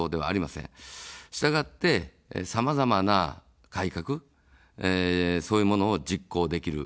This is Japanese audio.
したがって、さまざまな改革、そういうものを実行できる。